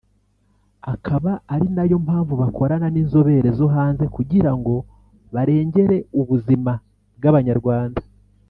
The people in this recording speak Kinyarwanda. akaba ari nayo mpamvu bakorana n’inzobere zo hanze kugira ngo barengere ubuzima bw’abanyarwanda